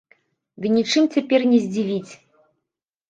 Ды нічым цяпер не здзівіць!